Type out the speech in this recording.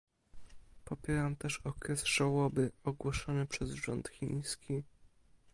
Popieram też okres żałoby, ogłoszony przez rząd chiński